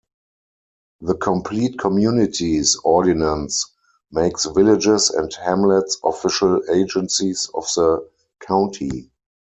The "Complete Communities" ordinance makes villages and hamlets official agencies of the county.